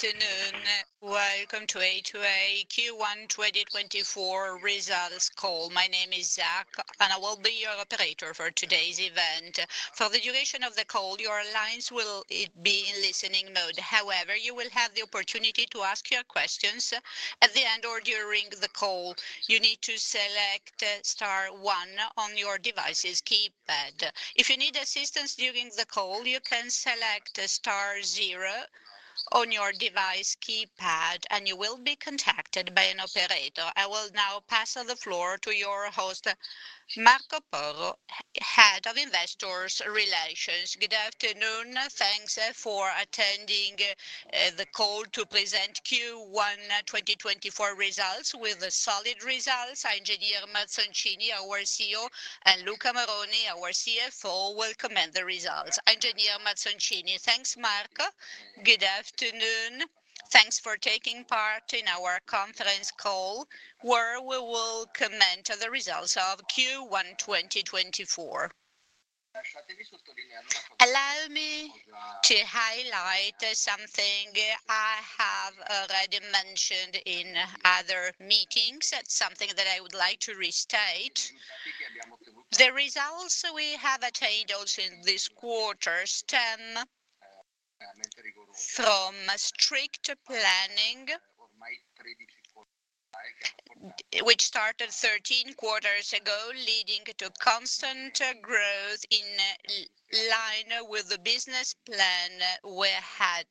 Good afternoon, welcome to A2A Q1 2024 results call. My name is Zach, and I will be your operator for today's event. For the duration of the call, your lines will be in listening mode. However, you will have the opportunity to ask your questions at the end or during the call. You need to select * 1 on your device's keypad. If you need assistance during the call, you can select * 0 on your device keypad, and you will be contacted by an operator. I will now pass the floor to your host, Marco Porro, Head of Investor Relations. Good afternoon, thanks for attending the call to present Q1 2024 results. With solid results, Engineer Mazzoncini, our CEO, and Luca Moroni, our CFO, will comment the results. Engineer Mazzoncini, thanks, Marco. Good afternoon, thanks for taking part in our conference call where we will comment on the results of Q1 2024. Allow me to highlight something I have already mentioned in other meetings, something that I would like to restate. The results we have attained also in this quarter, 10, from strict planning, which started 13 quarters ago, leading to constant growth in line with the business plan we had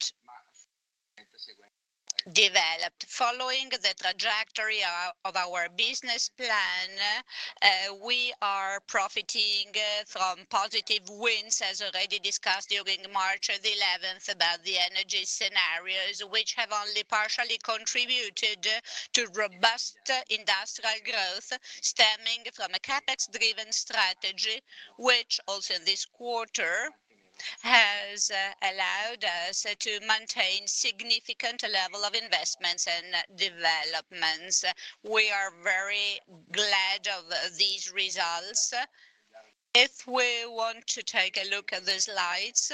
developed. Following the trajectory of our business plan, we are profiting from positive wins, as already discussed during March 11, about the energy scenarios, which have only partially contributed to robust industrial growth stemming from a CapEx-driven strategy, which also this quarter has allowed us to maintain a significant level of investments and developments. We are very glad of these results. If we want to take a look at the slides,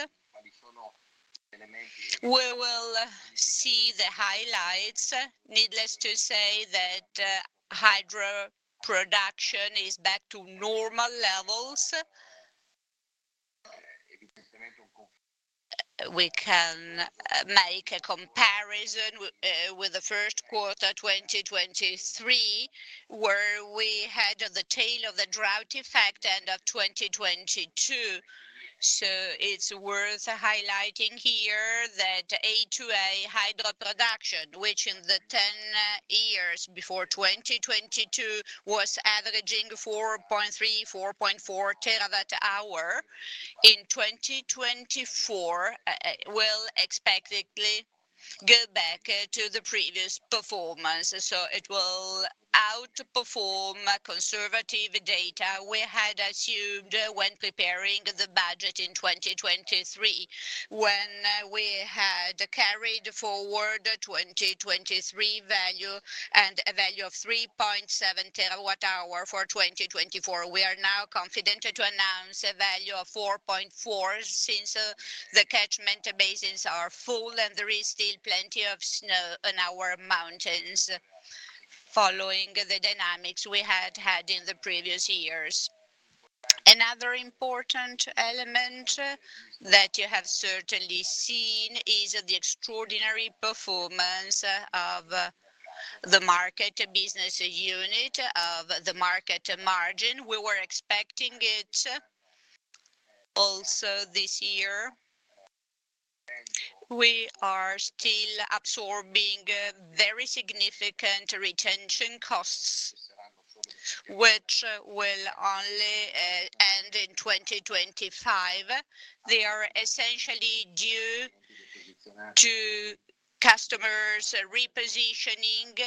we will see the highlights. Needless to say that hydro production is back to normal levels. We can make a comparison with the first quarter 2023, where we had the tail of the drought effect end of 2022. So it's worth highlighting here that A2A hydro production, which in the 10 years before 2022 was averaging 4.3-4.4 TWh, in 2024 will expectedly go back to the previous performance. So it will outperform conservative data we had assumed when preparing the budget in 2023, when we had carried forward 2023 value and a value of 3.7 TWh for 2024. We are now confident to announce a value of 4.4 TWh since the catchment basins are full and there is still plenty of snow in our mountains following the dynamics we had had in the previous years. Another important element that you have certainly seen is the extraordinary performance of the Market Business Unit, of the Market margin. We were expecting it also this year. We are still absorbing very significant retention costs, which will only end in 2025. They are essentially due to customers repositioning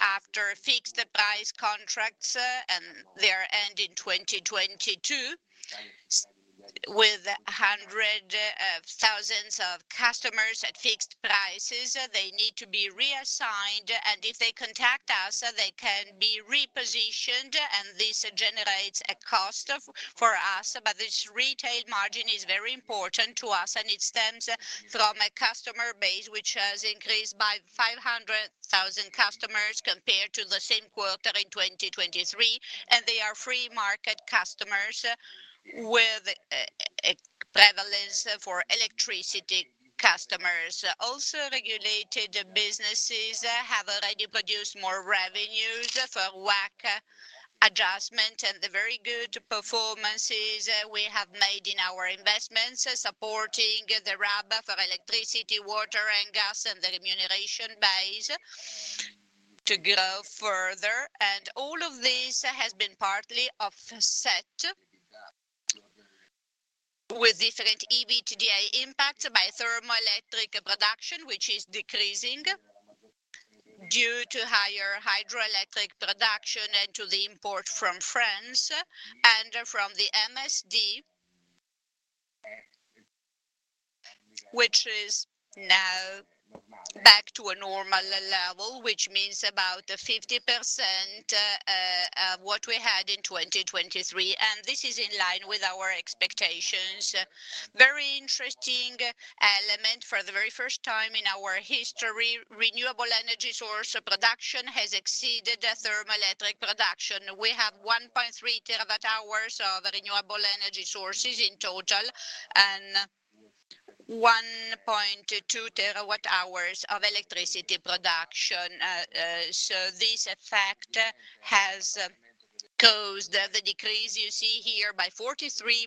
after fixed-price contracts, and they are ending 2022. With hundreds of thousands of customers at fixed prices, they need to be reassigned, and if they contact us, they can be repositioned, and this generates a cost for us. But this retail margin is very important to us, and it stems from a customer base which has increased by 500,000 customers compared to the same quarter in 2023, and they are free Market customers with a prevalence for electricity customers. Also, regulated businesses have already produced more revenues for WACC adjustment and the very good performances we have made in our investments, supporting the RAB for electricity, water, and gas, and the remuneration base to grow further. And all of this has been partly offset with different EBITDA impacts by thermoelectric production, which is decreasing due to higher hydroelectric production and to the import from France and from the MSD, which is now back to a normal level, which means about 50% of what we had in 2023. And this is in line with our expectations. Very interesting element. For the very first time in our history, renewable energy source production has exceeded thermoelectric production. We have 1.3 terawatt-hours of renewable energy sources in total and 1.2 terawatt-hours of electricity production. So, this effect has caused the decrease you see here by 43%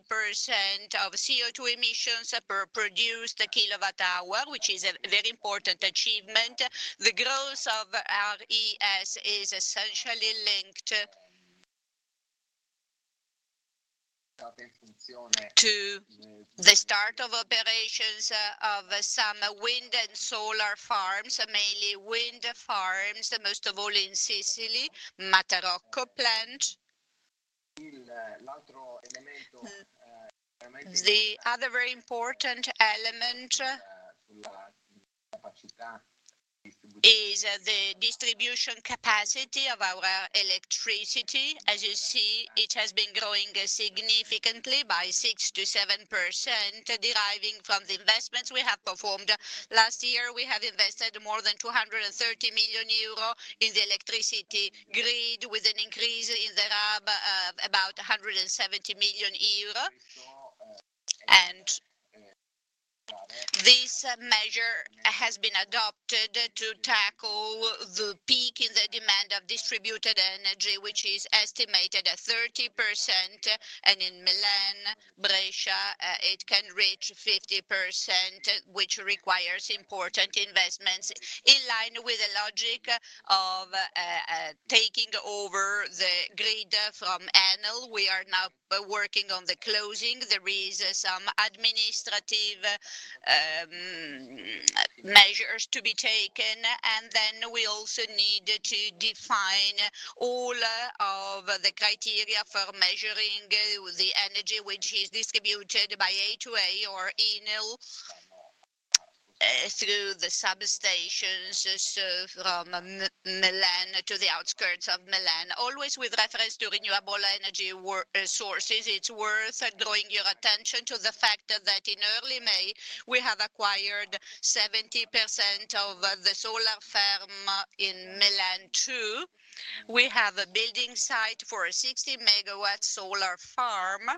of CO2 emissions per produced kilowatt-hour, which is a very important achievement. The growth of RES is essentially linked to the start of operations of some wind and solar farms, mainly wind farms, most of all in Sicily, Matarocco plant. The other very important element is the distribution capacity of our electricity. As you see, it has been growing significantly by 6%-7%, deriving from the investments we have performed. Last year, we have invested more than 230 million euro in the electricity grid, with an increase in the RAB of about 170 million euro. And this measure has been adopted to tackle the peak in the demand of distributed energy, which is estimated at 30%, and in Milan, Brescia, it can reach 50%, which requires important investments. In line with the logic of taking over the grid from Enel, we are now working on the closing. There are some administrative measures to be taken, and then we also need to define all of the criteria for measuring the energy, which is distributed by A2A or Enel through the substations, so from Milan to the outskirts of Milan, always with reference to renewable energy sources. It's worth drawing your attention to the fact that in early May, we have acquired 70% of the solar farm in Milan too. We have a building site for a 60-MW solar farm,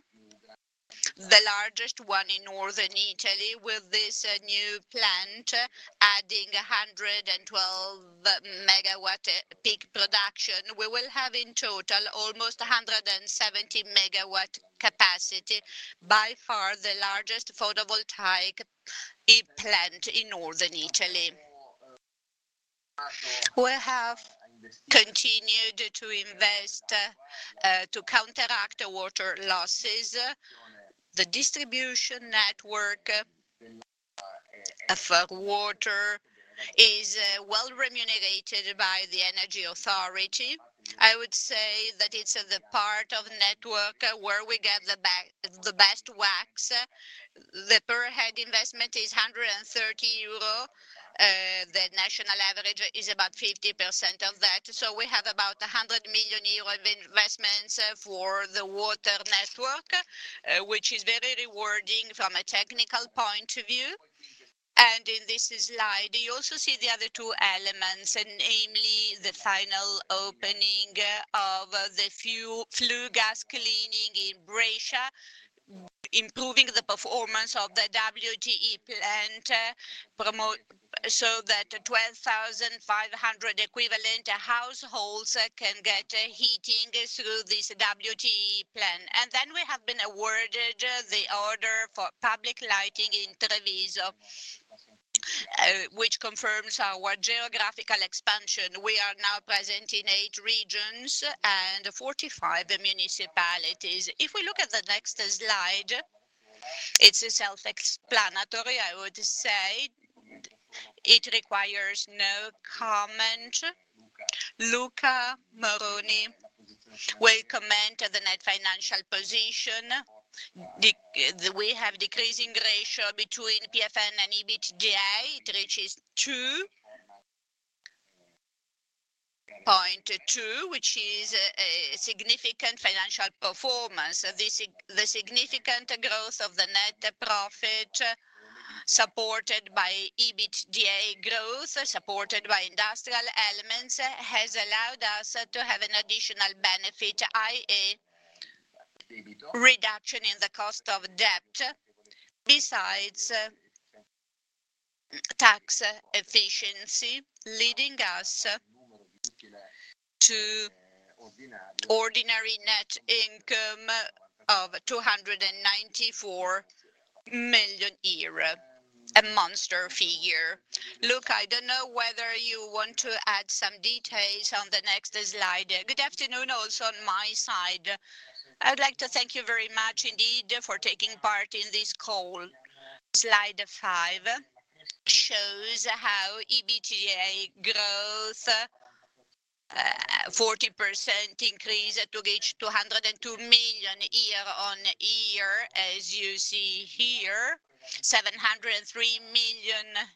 the largest one in northern Italy, with this new plant adding 112-MW peak production. We will have in total almost 170-MW capacity, by far the largest photovoltaic plant in northern Italy. We have continued to invest to counteract water losses. The distribution network for water is well remunerated by the energy authority. I would say that it's the part of the network where we get the best WACC. The per-head investment is 130 euro. The national average is about 50% of that. We have about 100 million euro of investments for the water network, which is very rewarding from a technical point of view. In this slide, you also see the other two elements, namely the final opening of the flue gas cleaning in Brescia, improving the performance of the WTE plant so, that 12,500 equivalent households can get heating through this WTE plant. Then we have been awarded the order for public lighting in Treviso, which confirms our geographical expansion. We are now present in eight regions and 45 municipalities. If we look at the next slide, it's self-explanatory, I would say. It requires no comment. Luca Moroni will comment on the net financial position. We have a decreasing ratio between PFN and EBITDA. It reaches 2.2, which is a significant financial performance. The significant growth of the net profit supported by EBITDA growth, supported by industrial elements, has allowed us to have an additional benefit, i.e., reduction in the cost of debt besides tax efficiency, leading us to ordinary net income of 294 million euro, a monster figure. Luca, I don't know whether you want to add some details on the next slide. Good afternoon also on my side. I'd like to thank you very much indeed for taking part in this call. Slide five shows how EBITDA growth, a 40% increase to reach 202 million year-on-year, as you see here, 703 million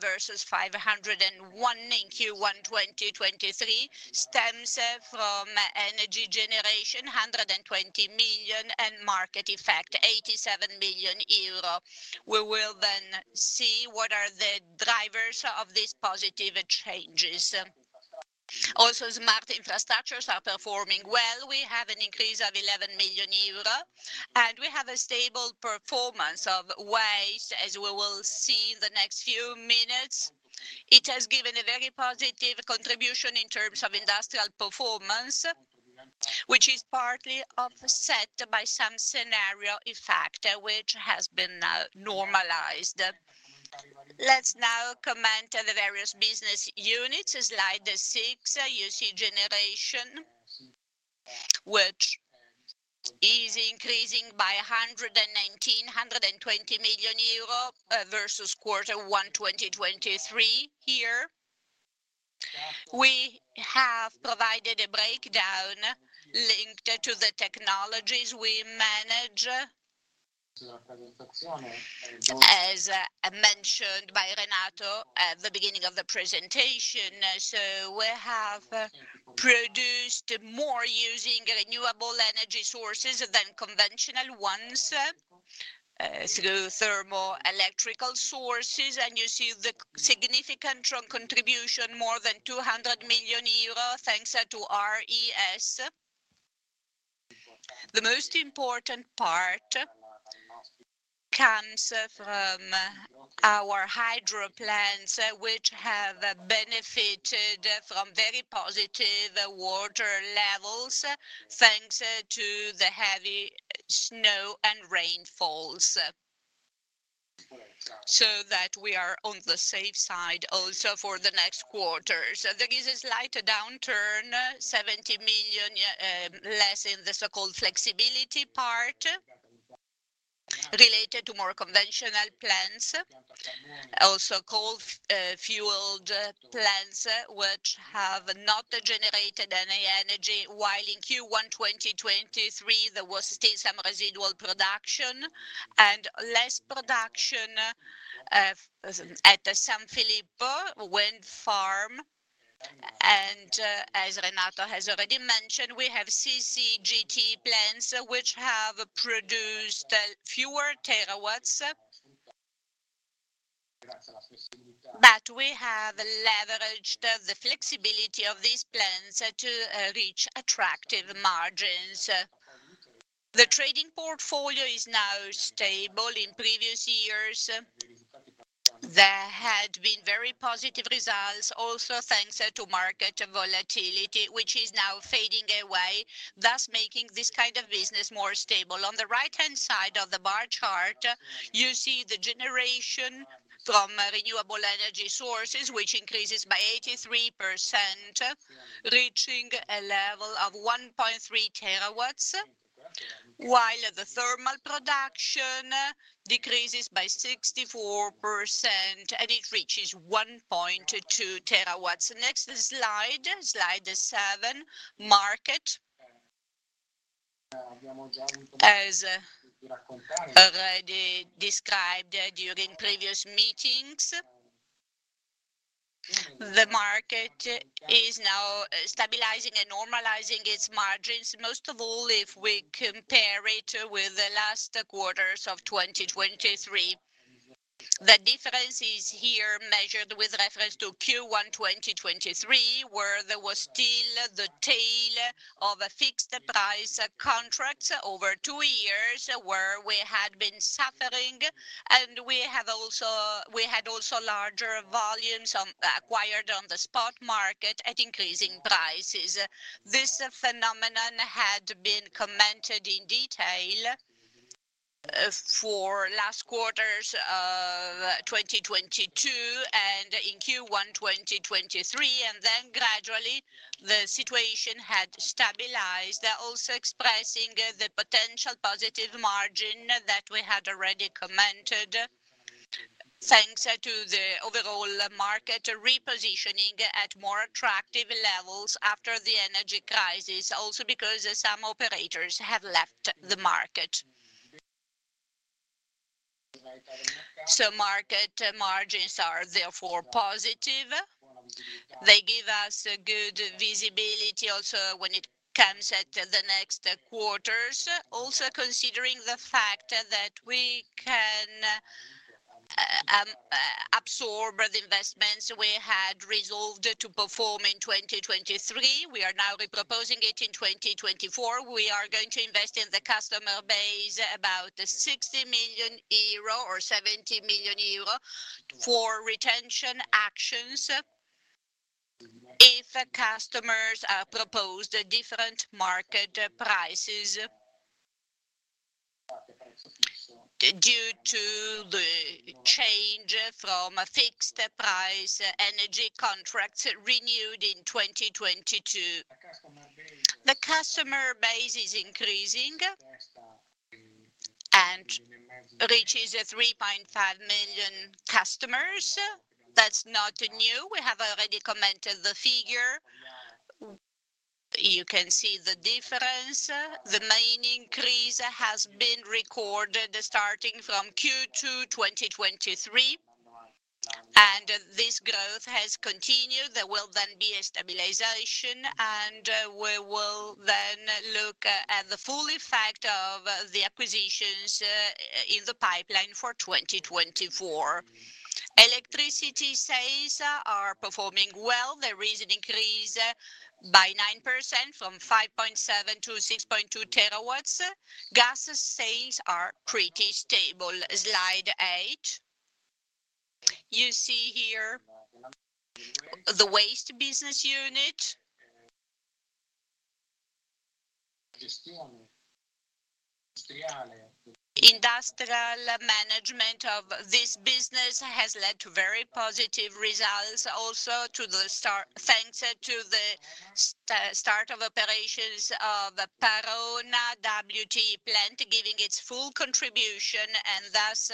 versus 501 million in Q1 2023, stems from energy Generation, 120 million, and Market effect, 87 million euro. We will then see what the drivers of these positive changes are. Also, Smart Infrastructures are performing well. We have an increase of 11 million euro, and we have a stable performance of waste, as we will see in the next few minutes. It has given a very positive contribution in terms of industrial performance, which is partly offset by some scenario effect, which has been now normalized. Let's now comment on the various business units. Slide 6, you see Generation, which is increasing by 119-120 million euro versus quarter one 2023 here. We have provided a breakdown linked to the technologies we manage, as mentioned by Renato at the beginning of the presentation. So, we have produced more using renewable energy sources than conventional ones through thermoelectric sources, and you see the significant contribution, more than 200 million euros, thanks to RES. The most important part comes from our hydro plants, which have benefited from very positive water levels thanks to the heavy snow and rainfalls, so, that we are on the safe side also for the next quarters. There is a slight downturn, 70 million less in the so-called flexibility part related to more conventional plants, also coal-fueled plants, which have not generated any energy. While in Q1 2023, there was still some residual production and less production at the San Filippo wind farm. As Renato has already mentioned, we have CCGT plants, which have produced fewer terawatts, but we have leveraged the flexibility of these plants to reach attractive margins. The trading portfolio is now stable. In previous years, there had been very positive results, also thanks to Market volatility, which is now fading away, thus making this kind of business more stable. On the right-hand side of the bar chart, you see the Generation from renewable energy sources, which increases by 83%, reaching a level of 1.3 terawatts, while the thermal production decreases by 64%, and it reaches 1.2 terawatts. Next slide, slide 7, Market, as already described during previous meetings, the Market is now stabilizing and normalizing its margins. Most of all, if we compare it with the last quarters of 2023, the difference is here measured with reference to Q1 2023, where there was still the tail of fixed-price contracts over 2 years, where we had been suffering, and we had also larger volumes acquired on the spot Market at increasing prices. This phenomenon had been commented in detail for last quarters of 2022 and in Q1 2023, and then gradually, the situation had stabilized, also expressing the potential positive margin that we had already commented thanks to the overall Market repositioning at more attractive levels after the energy crisis, also because some operators have left the Market. So, Market margins are therefore positive. They give us good visibility also when it comes to the next quarters, also considering the fact that we can absorb the investments we had resolved to perform in 2023. We are now reproposing it in 2024. We are going to invest in the customer base about 60 million euro or 70 million euro for retention actions if customers propose different Market prices due to the change from fixed-price energy contracts renewed in 2022. The customer base is increasing and reaches 3.5 million customers. That's not new. We have already commented the figure. You can see the difference. The main increase has been recorded starting from Q2 2023, and this growth has continued. There will then be a stabilization, and we will then look at the full effect of the acquisitions in the pipeline for 2024. Electricity sales are performing well. There is an increase by 9% from 5.7-6.2 terawatts. Gas sales are pretty stable. Slide 8. You see here the Waste Business Unit. Industrial management of this business has led to very positive results also thanks to the start of operations of Parona WTE plant, giving its full contribution and thus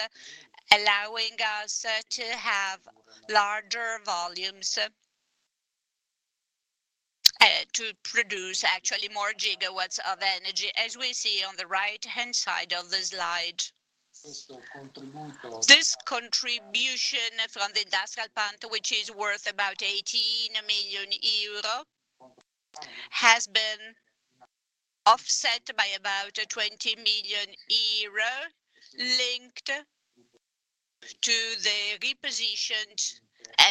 allowing us to have larger volumes, to produce actually more gigawatts of energy, as we see on the right-hand side of the slide. This contribution from the industrial plant, which is worth about 18 million euro, has been offset by about 20 million euro linked to the repositioned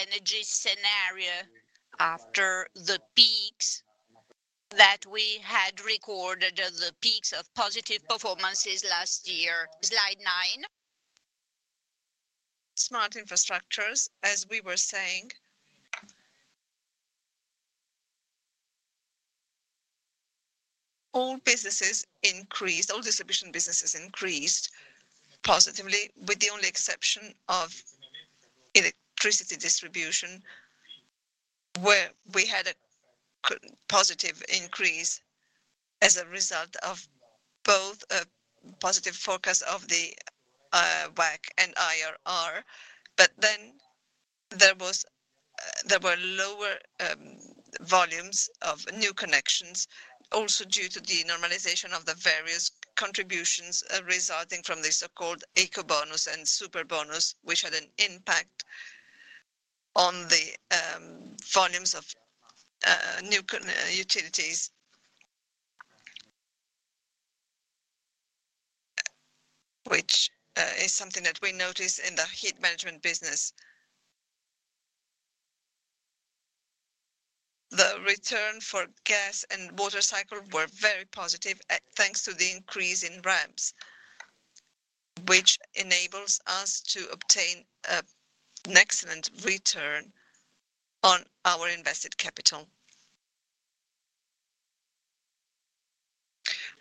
energy scenario after the peaks that we had recorded, the peaks of positive performances last year. Slide 9. Smart Infrastructures, as we were saying, all businesses increased, all distribution businesses increased positively, with the only exception of electricity distribution, where we had a positive increase as a result of both a positive forecast of the WACC and IRR. But then there were lower volumes of new connections, also due to the normalization of the various contributions resulting from the so-called Ecobonus and Superbonus, which had an impact on the volumes of new utilities, which is something that we notice in the heat management business. The return for gas and water cycle were very positive thanks to the increase in RAB, which enables us to obtain an excellent return on our invested capital.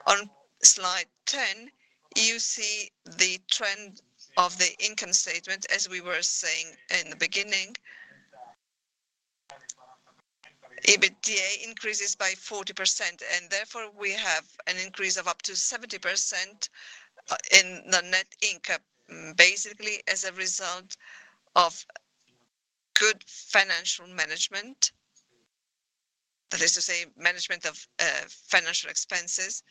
On slide 10, you see the trend of the income statement. As we were saying in the beginning, EBITDA increases by 40%, and therefore, we have an increase of up to 70% in the net income, basically as a result of good financial management, that is to say, management of financial expenses.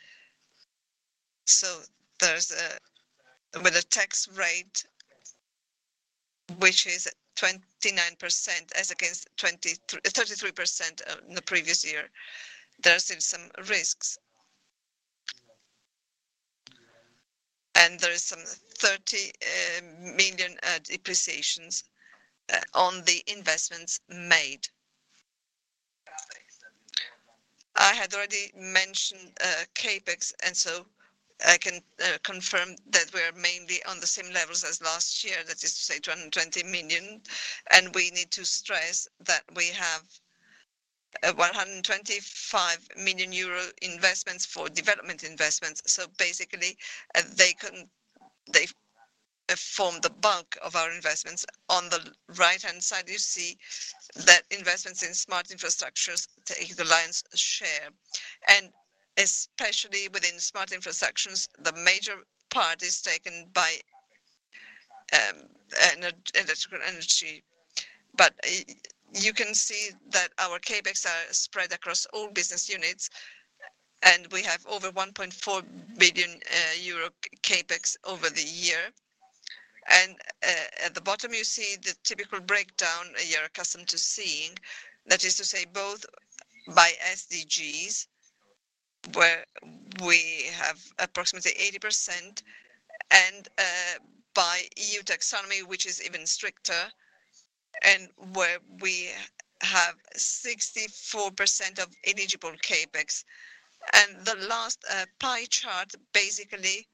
So, with a tax rate which is 29%, as against 33% in the previous year, there are still some risks. And there are some €30 million depreciations on the investments made. I had already mentioned CapEx, and so, I can confirm that we are mainly on the same levels as last year, that is to say, €220 million. We need to stress that we have 125 million euro investments for development investments. Basically, they form the bulk of our investments. On the right-hand side, you see that investments in Smart Infrastructures take the lion's share. Especially within Smart Infrastructures, the major part is taken by electrical energy. But you can see that our CapEx are spread across all business units, and we have over 1.4 billion euro CapEx over the year. At the bottom, you see the typical breakdown you're accustomed to seeing, that is to say, both by SDGs, where we have approximately 80%, and by EU Taxonomy, which is even stricter, and where we have 64% of eligible CapEx. The last pie chart basically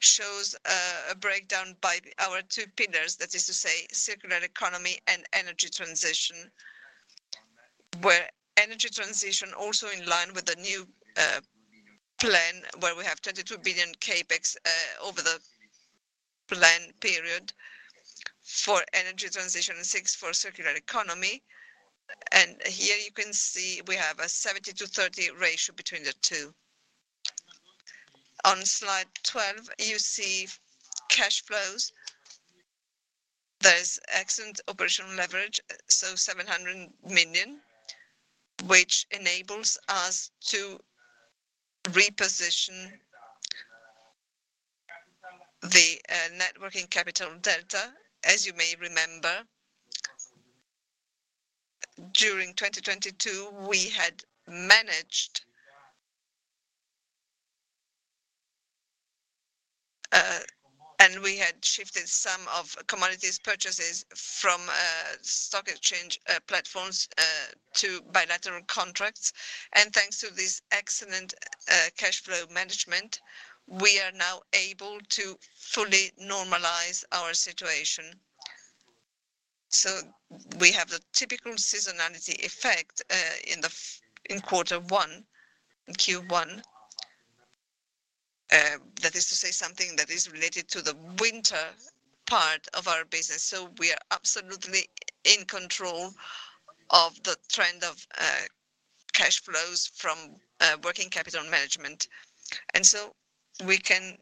shows a breakdown by our two pillars, that is to say, circular economy and energy transition, where energy transition, also in line with the new plan, where we have 22 billion CapEx over the plan period for energy transition and 6 billion for circular economy. Here you can see we have a 70-30 ratio between the two. On slide 12, you see cash flows. There's excellent operational leverage, so, 700 million, which enables us to reposition the net working capital delta. As you may remember, during 2022, we had managed and we had shifted some of commodities purchases from stock exchange platforms to bilateral contracts. Thanks to this excellent cash flow management, we are now able to fully normalize our situation. So, we have the typical seasonality effect in quarter one in Q1, that is to say, something that is related to the winter part of our business. So, we are absolutely in control of the trend of cash flows from working capital management. And so we can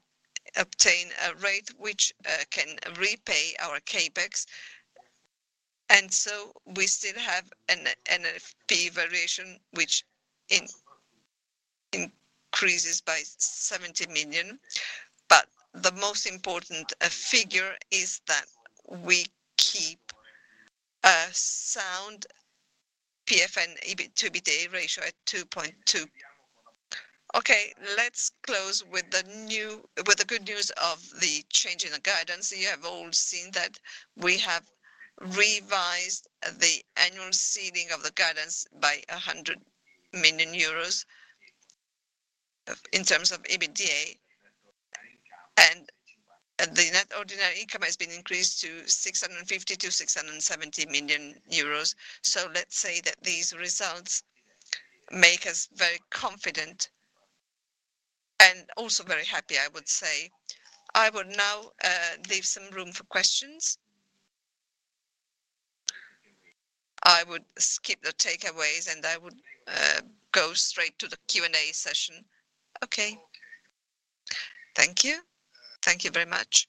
obtain a rate which can repay our CapEx. And so, we still have an NFP variation, which increases by 70 million. But the most important figure is that we keep a sound PFN/EBITDA ratio at 2.2. Okay, let's close with the good news of the change in the guidance. You have all seen that we have revised the annual ceiling of the guidance by 100 million euros in terms of EBITDA, and the net ordinary income has been increased to 650 million-670 million euros. So, let's say that these results make us very confident and also very happy, I would say. I would now leave some room for questions. I would skip the takeaways, and I would go straight to the Q&A session. Okay. Thank you. Thank you very much.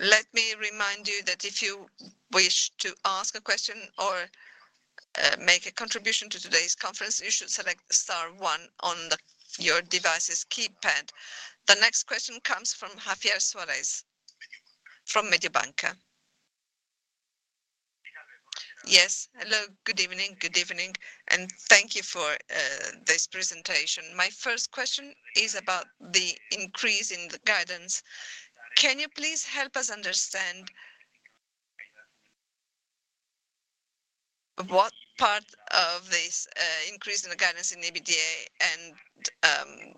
Let me remind you that if you wish to ask a question or make a contribution to today's conference, you should select star one on your device's keypad. The next question comes from Javier Suárez from Mediobanca. Yes. Hello. Good evening. Good evening. And thank you for this presentation. My first question is about the increase in the guidance. Can you please help us understand what part of this increase in the guidance in EBITDA and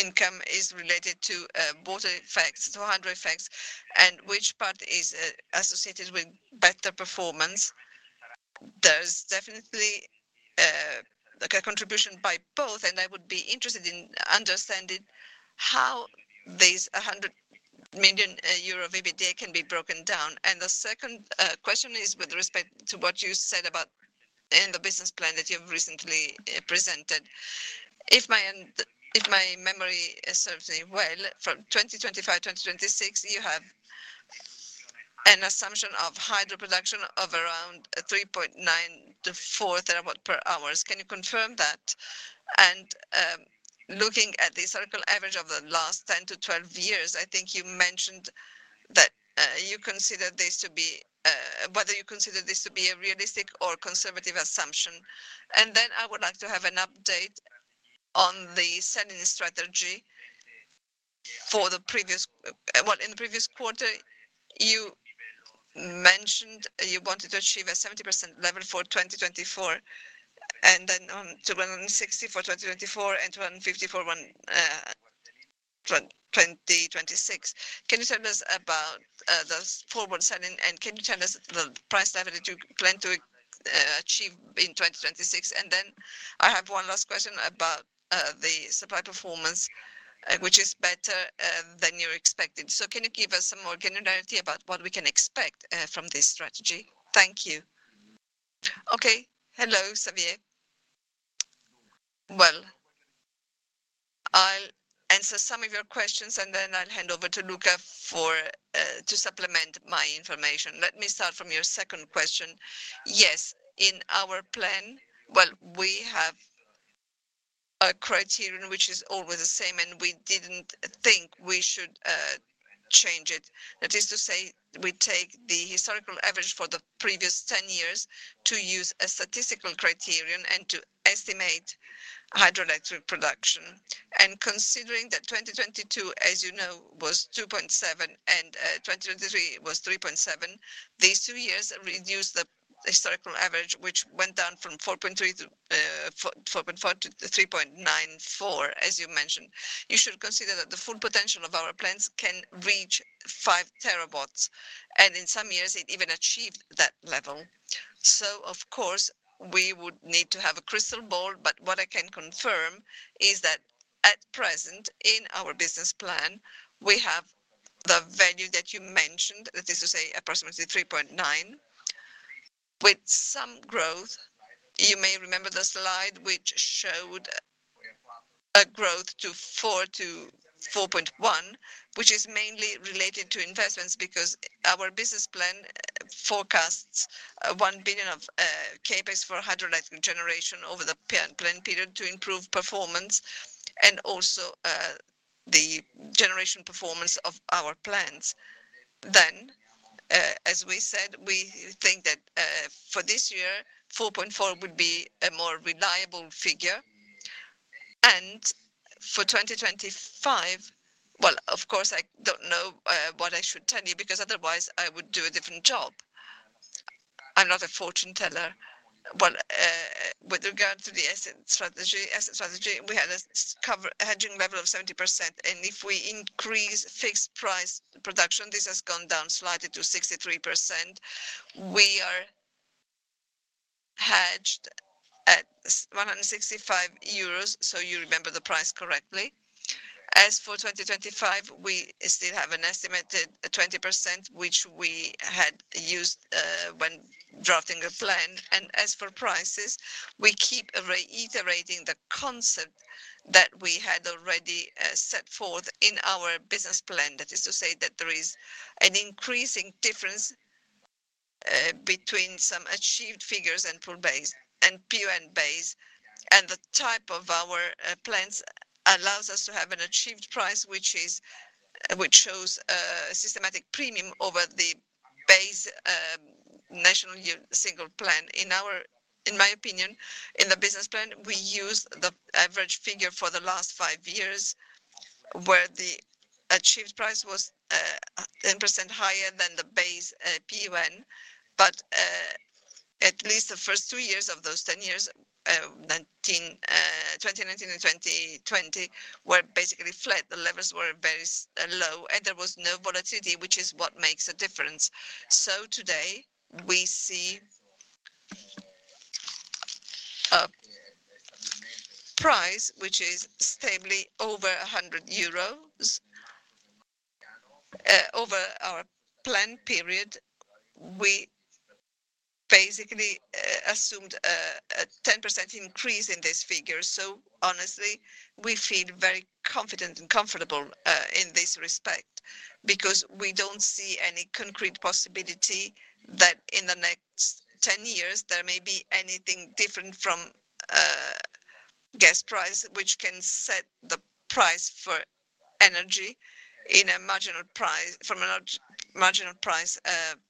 income is related to water effects, to hydro effects, and which part is associated with better performance? There's definitely a contribution by both, and I would be interested in understanding how this 100 million euro EBITDA can be broken down. The second question is with respect to what you said about in the business plan that you've recently presented. If my memory serves me well, from 2025-2026, you have an assumption of hydropower production of around 3.9-4 terawatt-hours. Can you confirm that? And looking at the historical average of the last 10-12 years, I think you mentioned that you consider this to be whether you consider this to be a realistic or conservative assumption. And then I would like to have an update on the selling strategy for the previous, well, in the previous quarter, you mentioned you wanted to achieve a 70% level for 2024 and then to 160 for 2024 and 250 for 2026. Can you tell us about the forward selling, and can you tell us the price level that you plan to achieve in 2026? Then I have one last question about the supply performance, which is better than you expected. Can you give us some more granularity about what we can expect from this strategy? Thank you. Okay. Hello, Javier. Well, I'll answer some of your questions, and then I'll hand over to Luca to supplement my information. Let me start from your second question. Yes, in our plan, well, we have a criterion which is always the same, and we didn't think we should change it. That is to say, we take the historical average for the previous 10 years to use a statistical criterion and to estimate hydroelectric production. Considering that 2022, as you know, was 2.7 and 2023 was 3.7, these two years reduced the historical average, which went down from 4.4 to 3.94, as you mentioned. You should consider that the full potential of our plants can reach 5 terawatts, and in some years, it even achieved that level. So, of course, we would need to have a crystal ball, but what I can confirm is that at present, in our business plan, we have the value that you mentioned, that is to say, approximately 3.9, with some growth. You may remember the slide which showed a growth to 4.1, which is mainly related to investments because our business plan forecasts 1 billion of CapEx for hydroelectric Generation over the planned period to improve performance and also the Generation performance of our plants. Then, as we said, we think that for this year, 4.4 would be a more reliable figure. And for 2025 well, of course, I don't know what I should tell you because otherwise, I would do a different job. I'm not a fortune teller. Well, with regard to the asset strategy, we had a hedging level of 70%. And if we increase fixed-price production, this has gone down slightly to 63%. We are hedged at 165 euros, so, you remember the price correctly. As for 2025, we still have an estimated 20%, which we had used when drafting the plan. And as for prices, we keep reiterating the concept that we had already set forth in our business plan. That is to say that there is an increasing difference between some achieved figures and PUN base, and the type of our plants allows us to have an achieved price, which shows a systematic premium over the base national single plan. In my opinion, in the business plan, we used the average figure for the last five years, where the achieved price was 10% higher than the base PUN. But at least the first 2 years of those 10 years, 2019 and 2020, were basically flat. The levels were very low, and there was no volatility, which is what makes a difference. So, today, we see a price which is stably over 100 euros. Over our planned period, we basically assumed a 10% increase in this figure. So, honestly, we feel very confident and comfortable in this respect because we don't see any concrete possibility that in the next 10 years, there may be anything different from gas price, which can set the price for energy from a marginal price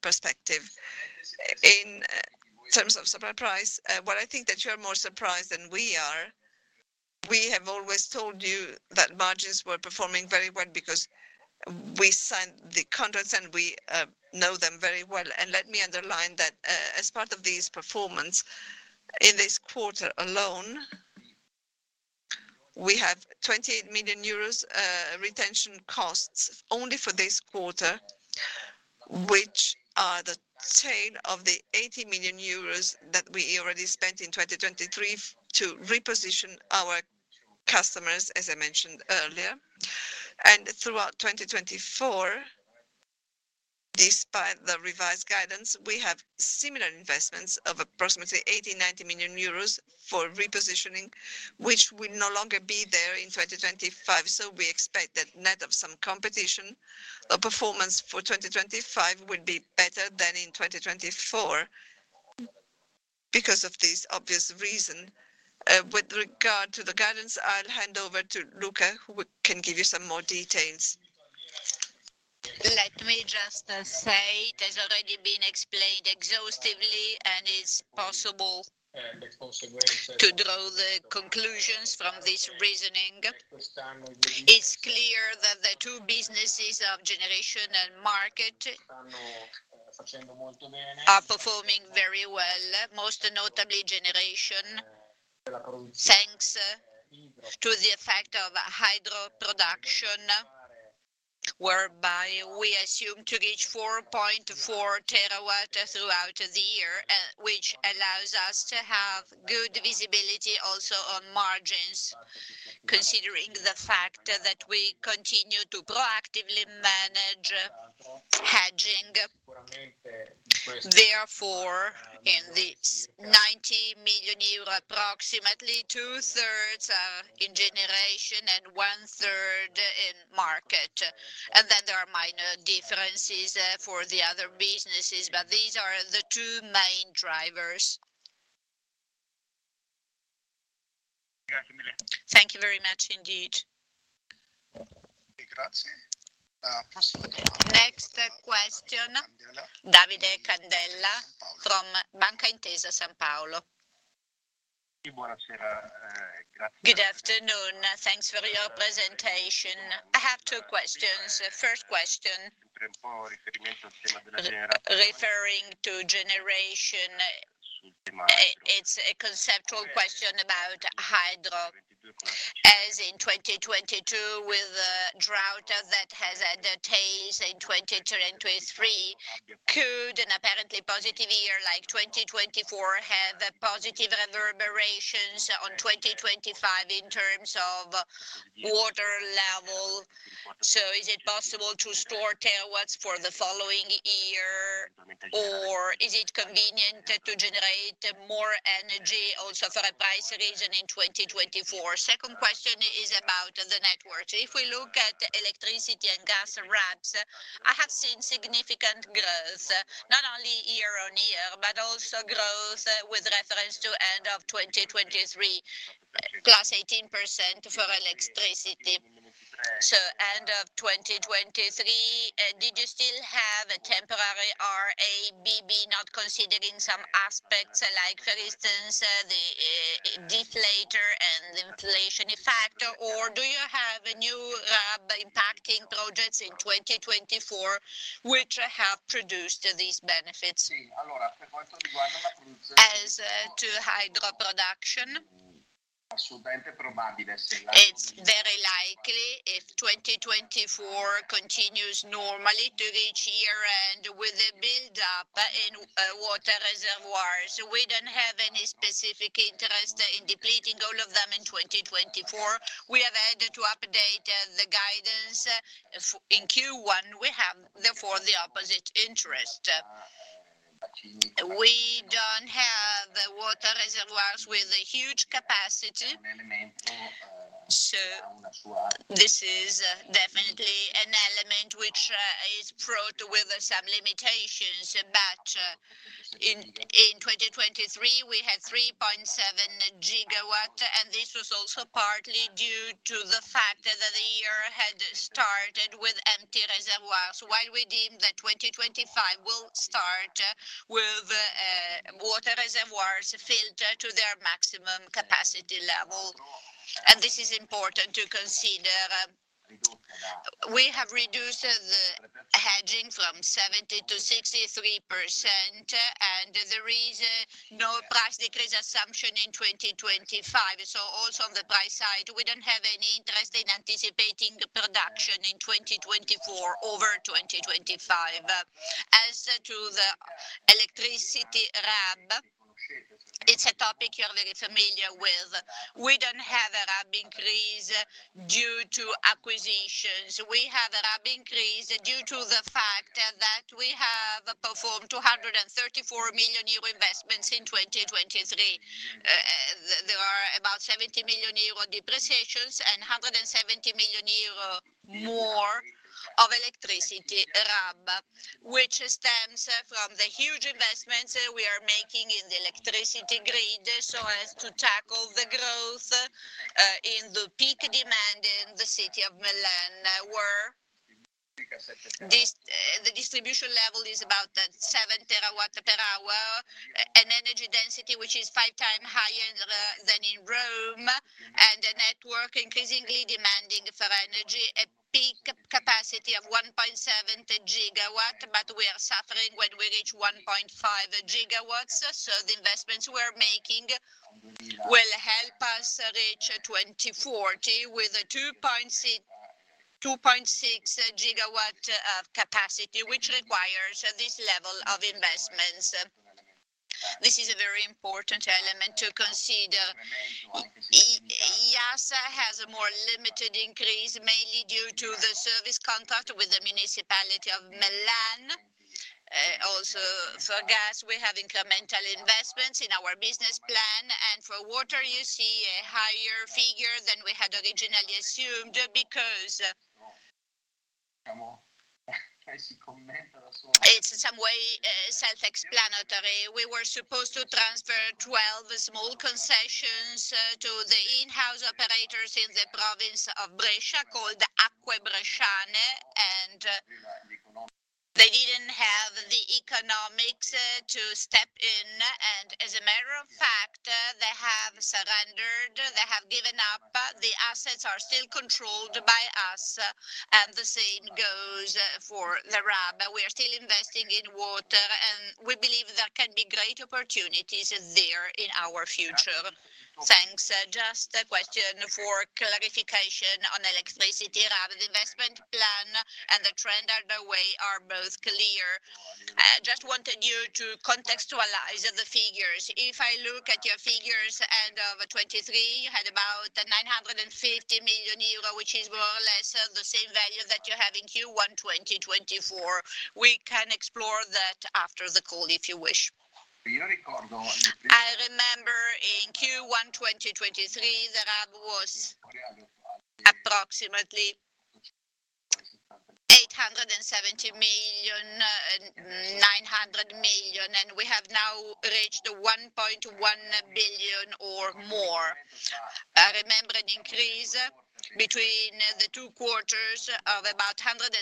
perspective. In terms of supply price, well, I think that you are more surprised than we are. We have always told you that margins were performing very well because we signed the contracts, and we know them very well. Let me underline that as part of this performance, in this quarter alone, we have 28 million euros retention costs only for this quarter, which are the tail of the 80 million euros that we already spent in 2023 to reposition our customers, as I mentioned earlier. Throughout 2024, despite the revised guidance, we have similar investments of approximately 80-90 million euros for repositioning, which will no longer be there in 2025. So, we expect that net of some competition, the performance for 2025 will be better than in 2024 because of this obvious reason. With regard to the guidance, I'll hand over to Luca, who can give you some more details. Let me just say it has already been explained exhaustively, and it's possible to draw the conclusions from this reasoning. It's clear that the two businesses of Generation and Market are performing very well, most notably Generation. Thanks to the effect of hydroproduction, whereby we assume to reach 4.4 terawatt throughout the year, which allows us to have good visibility also on margins, considering the fact that we continue to proactively manage hedging. Therefore, in the 90 million euro approximately, two-thirds are in Generation and one-third in Market. And then there are minor differences for the other businesses, but these are the two main drivers. Thank you very much, indeed. Next question, Davide Candela from Intesa Sanpaolo. Good afternoon. Thanks for your presentation. I have two questions. First question. Referring to Generation, it's a conceptual question about hydro, as in 2022, with the drought that has had a tail in 2023, could an apparently positive year like 2024 have positive reverberations on 2025 in terms of water level? So is it possible to store terawatts for the following year, or is it convenient to generate more energy also for a price reason in 2024? Second question is about the network. If we look at electricity and gas RABs, I have seen significant growth, not only year-on-year, but also growth with reference to end of 2023, +18% for electricity. So end of 2023, did you still have a temporary RAB not considering some aspects like, for instance, the deflator and inflation effect, or do you have new RAB impacting projects in 2024 which have produced these benefits? As to hydro production. It's very likely if 2024 continues normally to reach year-end with a buildup in water reservoirs. We don't have any specific interest in depleting all of them in 2024. We have had to update the guidance. In Q1, we have, therefore, the opposite interest. We don't have water reservoirs with a huge capacity. This is definitely an element which is fraught with some limitations. But in 2023, we had 3.7 GW, and this was also partly due to the fact that the year had started with empty reservoirs, while we deemed that 2025 will start with water reservoirs filled to their maximum capacity level. And this is important to consider. We have reduced the hedging from 70%-63%, and there is no price decrease assumption in 2025. So, also on the price side, we don't have any interest in anticipating production in 2024 over 2025. As to the electricity RAB, it's a topic you're very familiar with. We don't have a RAB increase due to acquisitions. We have a RAB increase due to the fact that we have performed 234 million euro investments in 2023. There are about 70 million euro depreciations and 170 million euro more of electricity RAB, which stems from the huge investments we are making in the electricity grid so as to tackle the growth in the peak demand in the city of Milan, where the distribution level is about 7 terawatt-hours, an energy density which is five times higher than in Rome, and a network increasingly demanding for energy, a peak capacity of 1.7 gigawatts. But we are suffering when we reach 1.5 gigawatts. So, the investments we're making will help us reach 2040 with 2.6 gigawatts of capacity, which requires this level of investments. This is a very important element to consider. IASA has a more limited increase, mainly due to the service contract with the municipality of Milan. Also, for gas, we have incremental investments in our business plan. For water, you see a higher figure than we had originally assumed because it's in some way self-explanatory. We were supposed to transfer 12 small concessions to the in-house operators in the province of Brescia called Acque Bresciane, and they didn't have the economics to step in. And as a matter of fact, they have surrendered. They have given up. The assets are still controlled by us, and the same goes for the RAB. We are still investing in water, and we believe there can be great opportunities there in our future. Thanks. Just a question for clarification on electricity RAB. The investment plan and the trend underway are both clear. I just wanted you to contextualize the figures. If I look at your figures, end of 2023, you had about 950 million euro, which is more or less the same value that you have in Q1 2024. We can explore that after the call if you wish. I remember in Q1 2023, the RAB was approximately 870 million, 900 million, and we have now reached 1.1 billion or more. I remember an increase between the two quarters of about 170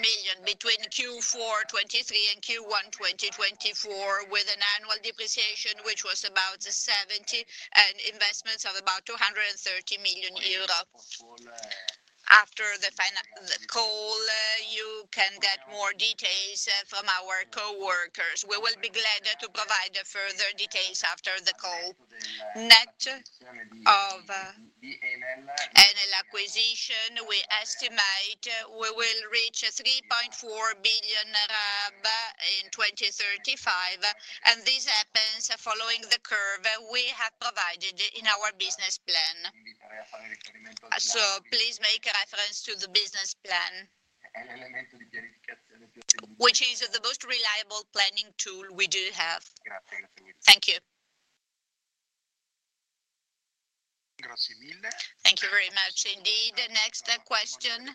million between Q4 2023 and Q1 2024 with an annual depreciation which was about 70 million and investments of about 230 million euros. After the call, you can get more details from our coworkers. We will be glad to provide further details after the call. Net of Enel acquisition, we estimate we will reach 3.4 billion RAB in 2035, and this happens following the curve we have provided in our business plan. Please make reference to the business plan, which is the most reliable planning tool we do have. Thank you. Thank you very much, indeed. Next question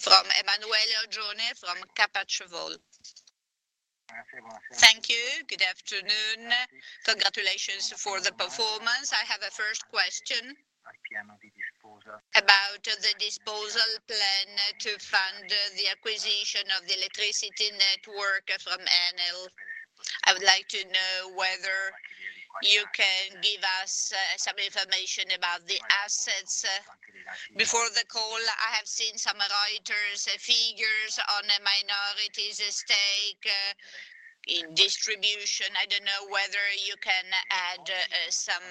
from Emanuele Oggioni from Kepler Cheuvreux. Thank you. Good afternoon. Congratulations for the performance. I have a first question about the disposal plan to fund the acquisition of the electricity network from Enel. I would like to know whether you can give us some information about the assets. Before the call, I have seen some RAB figures on minorities' stake in distribution. I don't know whether you can add some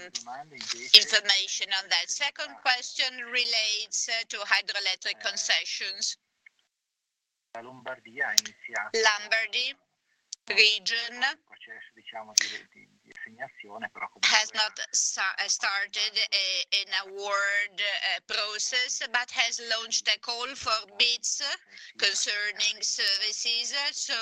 information on that. Second question relates to hydroelectric concessions. Lombardy Region has not started an award process but has launched a call for bids concerning services so,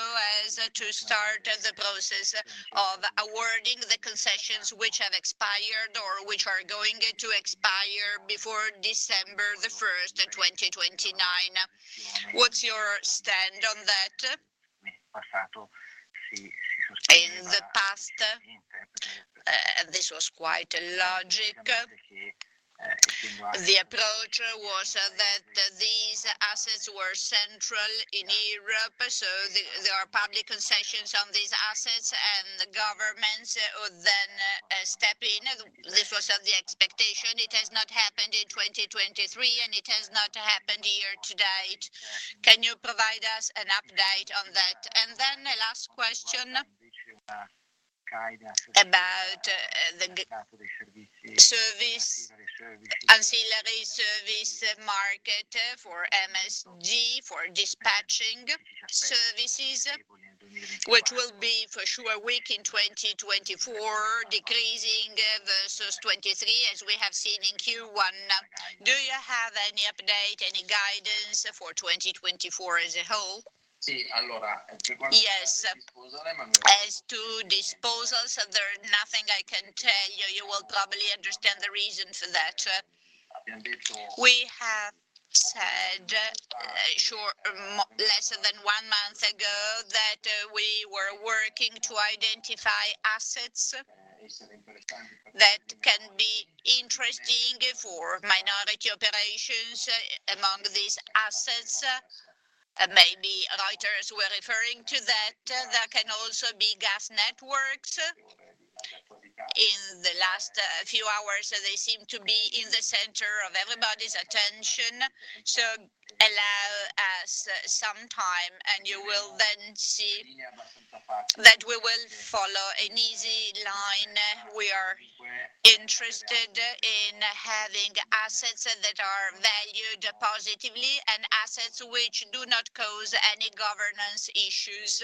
as to start the process of awarding the concessions which have expired or which are going to expire before December 1st, 2029. What's your stand on that? In the past, and this was quite logical, the approach was that these assets were central in Europe. So, there are public concessions on these assets, and governments would then step in. This was the expectation. It has not happened in 2023, and it has not happened here to date. Can you provide us an update on that? And then the last question about the ancillary service Market for MSD, for dispatching services, which will be for sure weak in 2024, decreasing versus 2023 as we have seen in Q1. Do you have any update, any guidance for 2024 as a whole? Yes. As to disposals, there's nothing I can tell you. You will probably understand the reason for that. We have said less than one month ago that we were working to identify assets that can be interesting for minority operations among these assets. Maybe Reuters were referring to that. That can also be gas networks. In the last few hours, they seem to be in the center of everybody's attention. So, allow us some time, and you will then see that we will follow an easy line. We are interested in having assets that are valued positively and assets which do not cause any governance issues.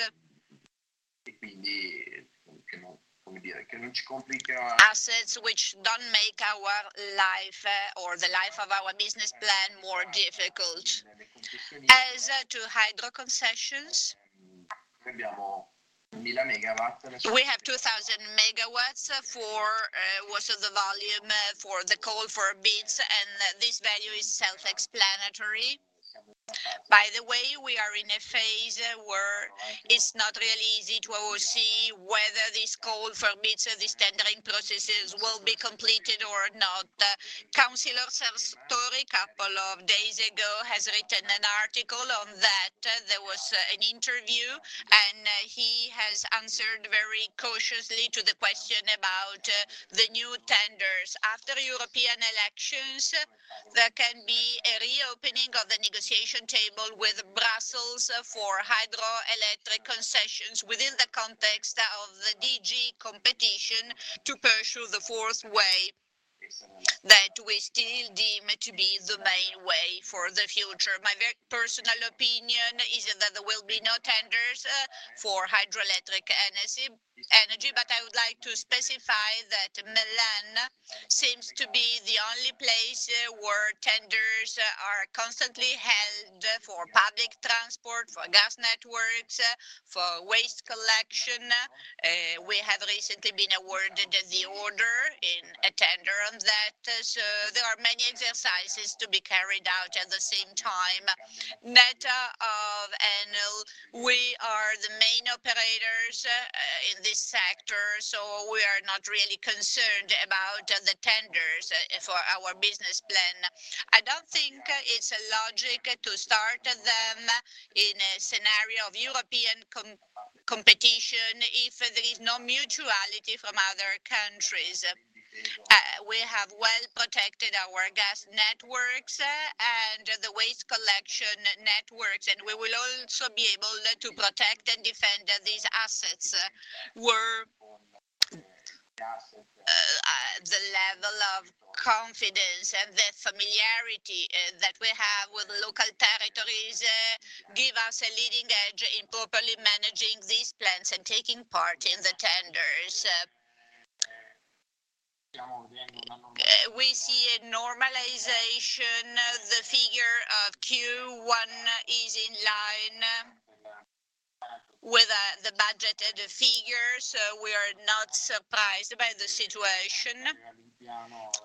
Assets which don't make our life or the life of our business plan more difficult as to hydro concessions. We have 2,000 MW for most of the volume for the call for bids, and this value is self-explanatory. By the way, we are in a phase where it's not really easy to see whether this call for bids, this tendering processes will be completed or not. Councilor Sertori, a couple of days ago, has written an article on that. There was an interview, and he has answered very cautiously to the question about the new tenders. After European elections, there can be a reopening of the negotiation table with Brussels for hydroelectric concessions within the context of the DG Competition to pursue the fourth way that we still deem to be the main way for the future. My very personal opinion is that there will be no tenders for hydroelectric energy, but I would like to specify that Milan seems to be the only place where tenders are constantly held for public transport, for gas networks, for waste collection. We have recently been awarded the order in a tender on that. So, there are many exercises to be carried out at the same time. Net of Enel, we are the main operators in this sector, so we are not really concerned about the tenders for our business plan. I don't think it's logical to start them in a scenario of European competition if there is no mutuality from other countries. We have well protected our gas networks and the waste collection networks, and we will also be able to protect and defend these assets where the level of confidence and the familiarity that we have with local territories give us a leading edge in properly managing these plans and taking part in the tenders. We see a normalization. The figure of Q1 is in line with the budgeted figure, so we are not surprised by the situation.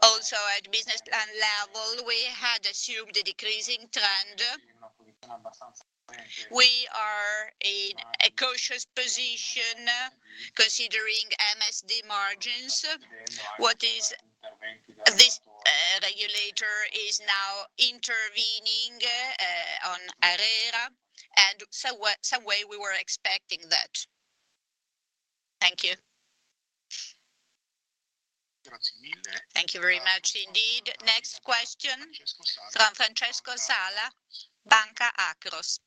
Also, at business plan level, we had assumed a decreasing trend. We are in a cautious position considering MSD margins. This regulator is now intervening on ARERA, and some way we were expecting that. Thank you. Thank you very much, indeed. Next question, from Francesco Sala, Banca Akros.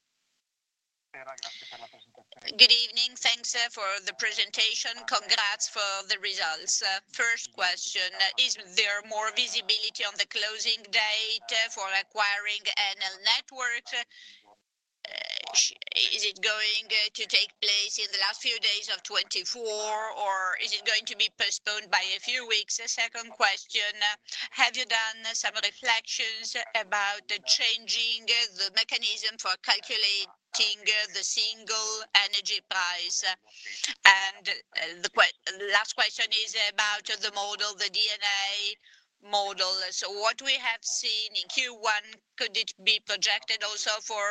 Good evening. Thanks for the presentation. Congrats for the results. First question, is there more visibility on the closing date for acquiring Enel networks? Is it going to take place in the last few days of 2024, or is it going to be postponed by a few weeks? Second question, have you done some reflections about changing the mechanism for calculating the single energy price? And the last question is about the model, the D&A model. So, what we have seen in Q1, could it be projected also for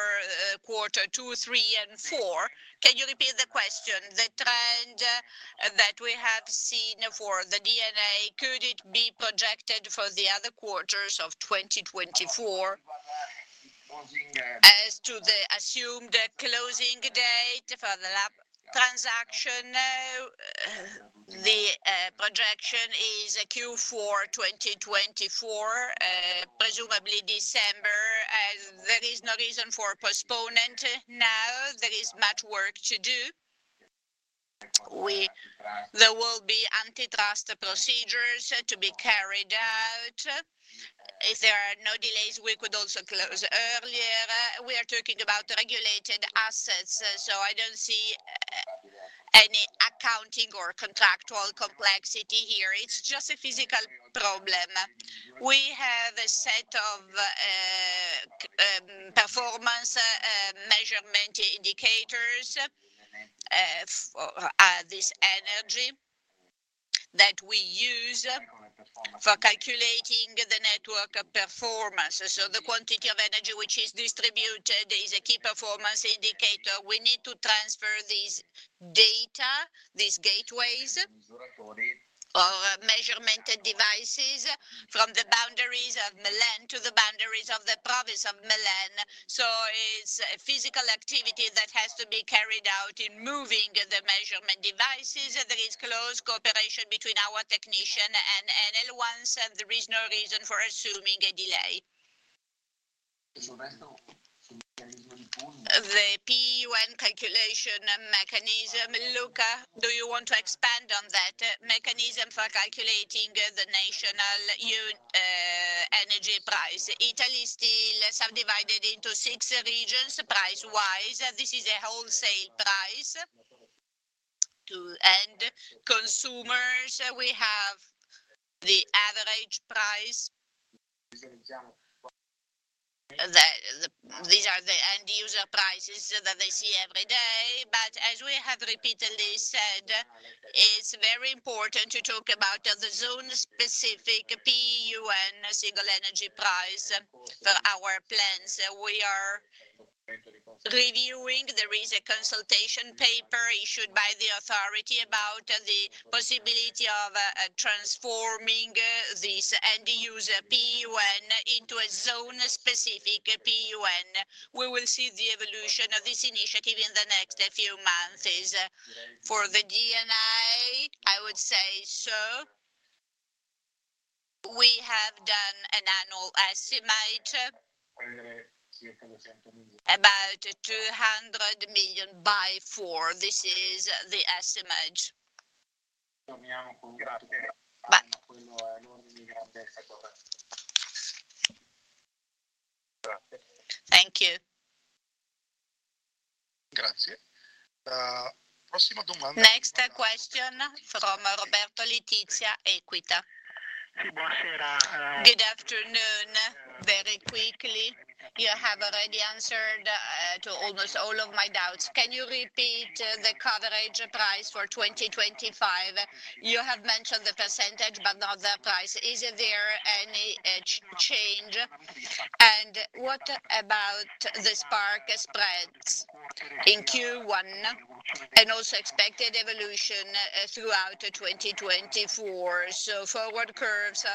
quarter two, three, and four? Can you repeat the question? The trend that we have seen for the D&A, could it be projected for the other quarters of 2024 as to the assumed closing date for the transaction? The projection is Q4 2024, presumably December. There is no reason for postponement now. There is much work to do. There will be antitrust procedures to be carried out. If there are no delays, we could also close earlier. We are talking about regulated assets, so, I don't see any accounting or contractual complexity here. It's just a physical problem. We have a set of performance measurement indicators for this energy that we use for calculating the network performance. So, the quantity of energy which is distributed is a key performance indicator. We need to transfer these data, these gateways or measurement devices from the boundaries of Milan to the boundaries of the province of Milan. So, it's a physical activity that has to be carried out in moving the measurement devices. There is close cooperation between our technician and Enel ones, and there is no reason for assuming a delay. The PUN mechanism, Luca, do you want to expand on that? Mechanism for calculating the national energy price. Italy is still subdivided into six regions price-wise. This is a wholesale price. Consumers, we have the average price. These are the end-user prices that they see every day. But as we have repeatedly said, it's very important to talk about the zone-specific PUN single energy price for our plans. We are reviewing. There is a consultation paper issued by the authority about the possibility of transforming this end-user PUN into a zone-specific PUN. We will see the evolution of this initiative in the next few months. For the D&A, I would say so. We have done an annual estimate about 200 million by four. This is the estimate. Thank you. Next question from Roberto Letizia, Equita. Good afternoon. Very quickly. You have already answered almost all of my doubts. Can you repeat the coverage price for 2025? You have mentioned the percentage but not the price. Is there any change? And what about the spark spreads in Q1 and also expected evolution throughout 2024? So, forward curves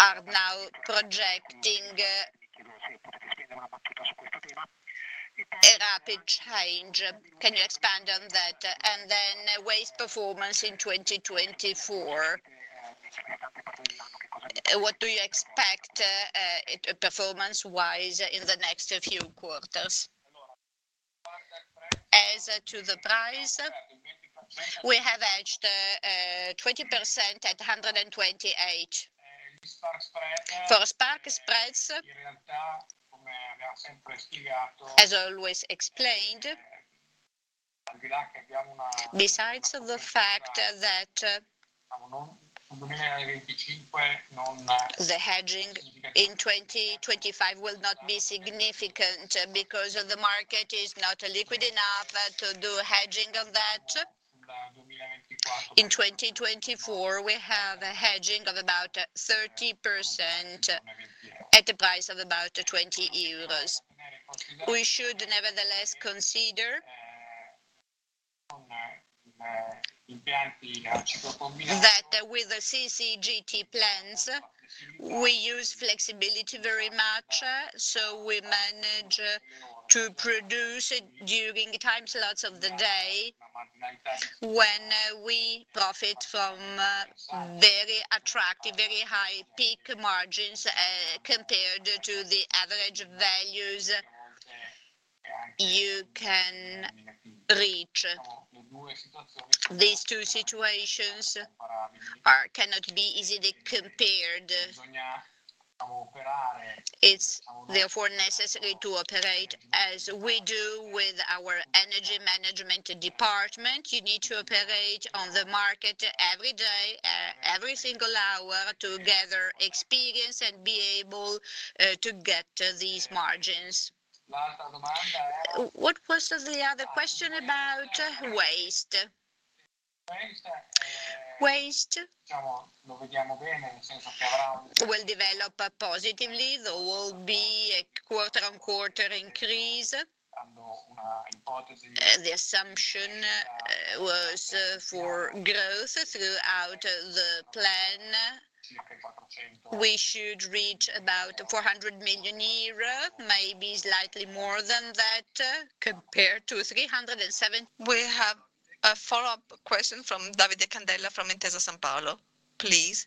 are now projecting a rapid change. Can you expand on that? And then waste performance in 2024, what do you expect performance-wise in the next few quarters as to the price? We have hedged 20% at 128. For spark spreads, besides the fact that the hedging in 2025 will not be significant because the Market is not liquid enough to do hedging on that, in 2024 we have hedging of about 30% at a price of about 20 euros. We should nevertheless consider that with the CCGT plans, we use flexibility very much, so, we manage to produce during time slots of the day when we profit from very attractive, very high peak margins compared to the average values you can reach. These two situations cannot be easily compared. Therefore, necessary to operate as we do with our energy management department. You need to operate on the Market every day, every single hour, to gather experience and be able to get these margins. What was the other question about waste? Waste? Will develop positively, there will be a quarter-on-quarter increase. The assumption was for growth throughout the plan. We should reach about 400 million euro, maybe slightly more than that compared to 370 million. We have a follow-up question from Davide Candela from Intesa Sanpaolo. Please.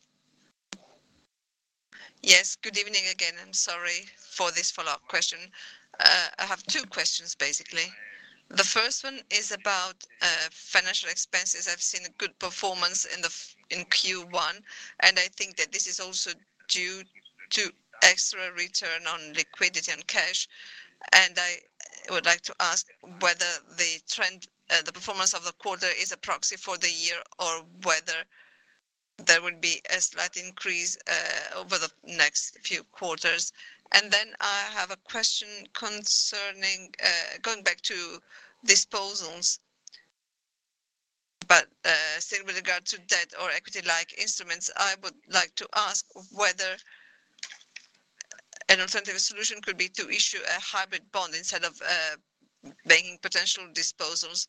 Yes, good evening again. I'm sorry for this follow-up question. I have two questions, basically. The first one is about financial expenses. I've seen a good performance in Q1, and I think that this is also due to extra return on liquidity and cash. I would like to ask whether the performance of the quarter is a proxy for the year or whether there will be a slight increase over the next few quarters. And then I have a question going back to disposals, but still with regard to debt or equity-like instruments, I would like to ask whether an alternative solution could be to issue a hybrid bond instead of making potential disposals,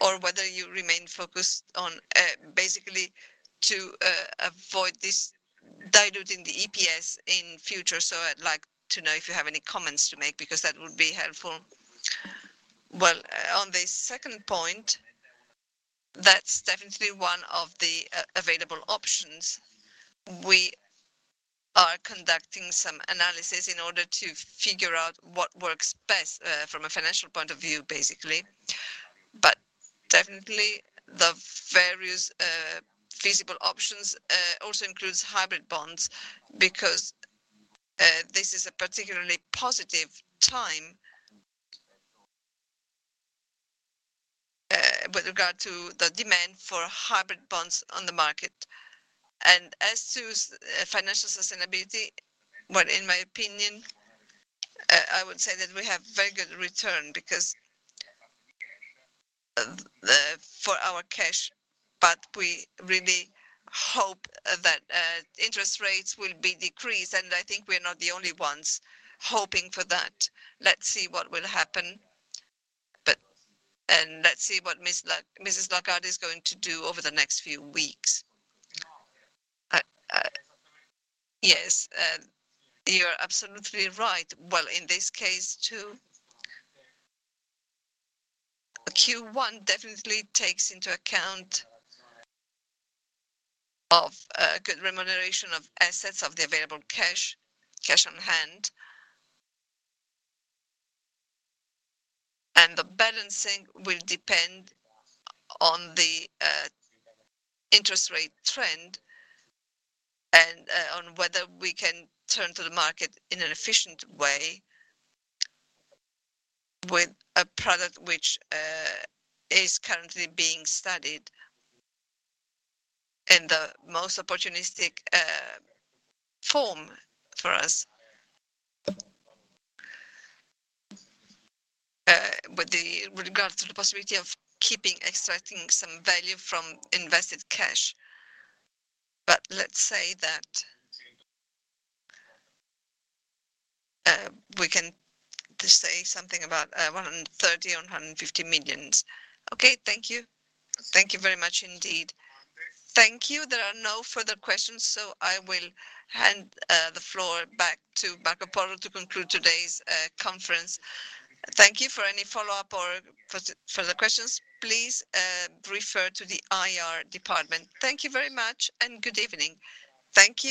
or whether you remain focused on basically to avoid diluting the EPS in future. So, I'd like to know if you have any comments to make because that would be helpful. Well, on the second point, that's definitely one of the available options. We are conducting some analysis in order to figure out what works best from a financial point of view, basically. But definitely, the various feasible options also include hybrid bonds because this is a particularly positive time with regard to the demand for hybrid bonds on the Market. And as to financial sustainability, well, in my opinion, I would say that we have very good return because for our cash. But we really hope that interest rates will be decreased, and I think we are not the only ones hoping for that. Let's see what will happen, and let's see what Mrs. Lagarde is going to do over the next few weeks. Yes, you're absolutely right. Well, in this case too, Q1 definitely takes into account a good remuneration of assets of the available cash, cash on hand. And the balancing will depend on the interest rate trend and on whether we can turn to the Market in an efficient way with a product which is currently being studied in the most opportunistic form for us with regard to the possibility of keeping extracting some value from invested cash. But let's say that we can say something about 130 million or 150 million. Okay, thank you. Thank you very much, indeed. Thank you. There are no further questions, so, I will hand the floor back to Marco Porro to conclude today's conference. Thank you. For any follow-up or further questions, please refer to the IR department. Thank you very much, and good evening. Thank you.